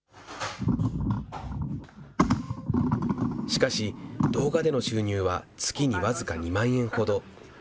しかし、動画での収入は月に僅か２万円ほど。